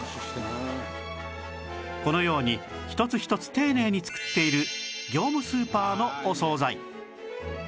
このように一つ一つ丁寧に作っている業務スーパーのお惣菜